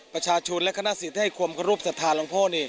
ประชาชุนและขนาดศิษย์ให้ความกระรุบสัทธาหลวงพ่อ